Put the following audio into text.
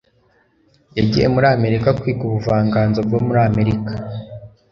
yagiye muri amerika kwiga ubuvanganzo bwo muri amerika